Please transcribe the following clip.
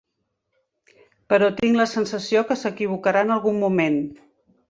Però tinc la sensació que s'equivocarà en algun moment.